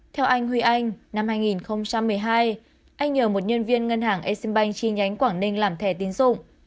theo anh huy anh năm hai nghìn một mươi hai anh nhờ một nhân viên ngân hàng exim bank chi nhánh quảng ninh làm thẻ tín dụng